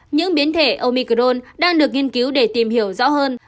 những biến thể omicrone đang được nghiên cứu để tìm hiểu rõ hơn